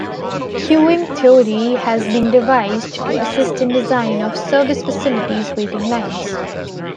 Queuing theory has been devised to assist in design of service facilities waiting lines.